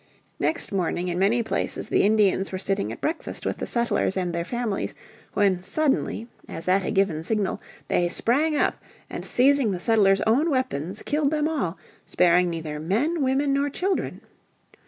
Next morning in many places the Indians were sitting at breakfast with the settlers and their families when suddenly, as at a given signal, they sprang up, and, seizing the settlers own weapons, killed them all, sparing neither men, women nor children.